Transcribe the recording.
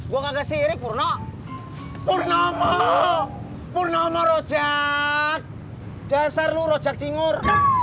gua kagak sirik purno purno mau purno mau rojak dasar lu rojak cingur